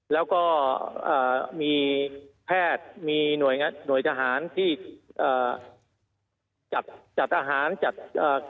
แล้วก็เอ่อมีแพทย์มีหน่วยงานหน่วยทหารที่เอ่อจัดจัดทหารจัดเอ่อ